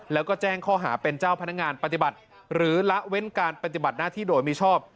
แล้วก็แจ้งข้อหาเป็นเจ้าพนักงานปฏิบัติหรือละเว้นการปฏิบัติหน้าที่โดยมิชอบ